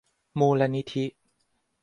มูลนิธิ